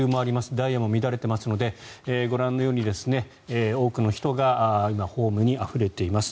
ダイヤも乱れていますのでご覧のように多くの人が今、ホームにあふれています。